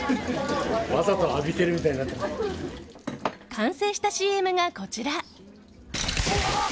完成したＣＭが、こちら。